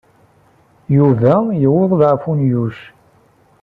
Yuba yewweḍ leɛfu n Yuc.